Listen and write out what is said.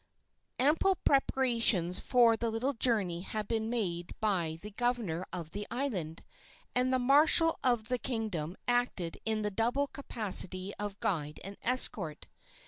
Ample preparations for the little journey had been made by the governor of the island, and the marshal of the kingdom acted in the double capacity of guide and escort.